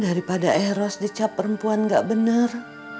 daripada eros dicap perempuan nggak bener